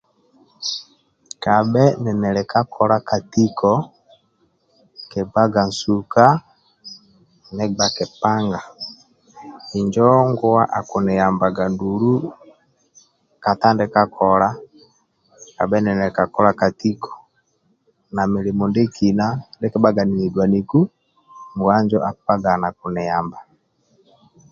Kabhe ninili ka kola ka tiko nkigbaga nsuka nigba kipanga injo nguwa akiniyambaga ndulu katandika kola kabha ninikakola ka tiko na milimo ndiekina ndienkibhaga ninidulaniku nguwa injo akibhaga nakiniyamba